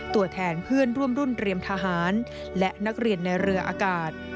ตัวแทนเพื่อนร่วมรุ่นเรียมทหารและนักเรียนในเรืออากาศ